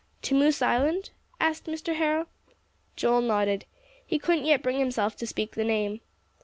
"To Moose Island?" asked Mr. Harrow. Joel nodded. He couldn't yet bring himself to speak the name.